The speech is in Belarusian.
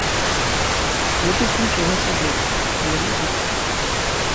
Хлопец нічога сабе, але мужык.